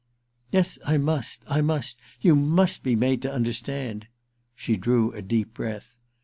* Yes, I must — I must ! You must be made to understand.' She drew a deep breath.